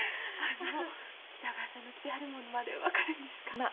北川さんの着てはるもんまで分かるんですか？